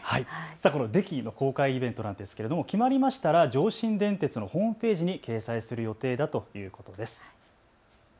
このデキの公開イベントですが決まりましたら上信電鉄のホームページに掲載される予定だということです。